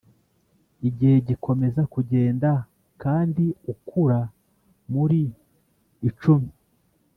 igihe gikomeza kugenda, kandi ukura muri icumi.